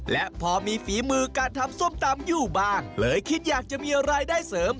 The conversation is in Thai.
และพอมีฝีมือการทำส้มตำอยู่บ้างเลยคิดอยากจะมีรายได้เสริม